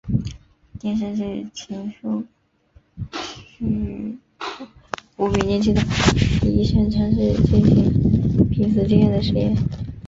电影剧情叙述五名年轻的医学生尝试进行濒死经验的实验。